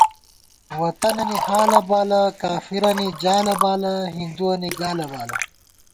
ووطَنَنی حالہ بالہ، کافِرَنی جالہ بالہ، ہِندُوَنی گالہ بالہ